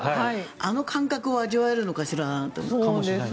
あの感覚を味わえるのかしら。